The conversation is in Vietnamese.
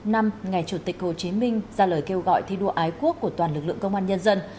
bảy mươi năm năm ngày chủ tịch hồ chí minh ra lời kêu gọi thi đua ái quốc của toàn lực lượng công an nhân dân